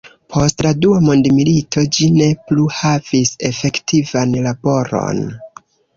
Post la dua mondmilito ĝi ne plu havis efektivan laboron.